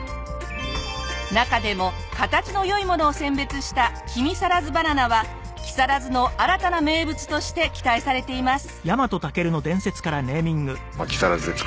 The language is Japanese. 中でも形の良いものを選別したきみさらずバナナは木更津の新たな名物として期待されています。